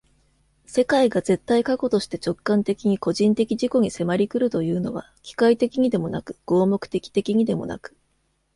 世界が絶対過去として直観的に個人的自己に迫り来るというのは、機械的にでもなく合目的的にでもなく、